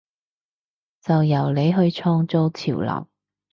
就由你去創造潮流！